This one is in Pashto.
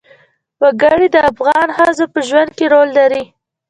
وګړي د افغان ښځو په ژوند کې رول لري.